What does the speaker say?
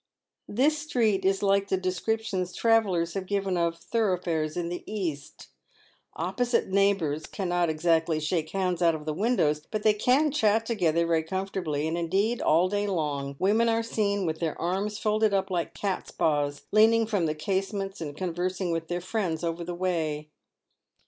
This street is like the descriptions travellers have given of tho roughfares in the East. Opposite neighbours cannot exactly shake hands out of the windows, but they can chat together very com fortably ; and indeed, all day long, women are seen with their arms PAVED WITDZ GOLD. 93 folded up like cats' paws, leaning from the casements and conversing with their friends over the way.